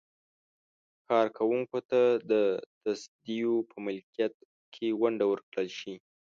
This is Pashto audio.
کارکوونکو ته د تصدیو په ملکیت کې ونډه ورکړل شي.